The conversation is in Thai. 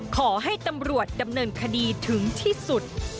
ขอให้ตำรวจดำเนินคดีถึงที่สุด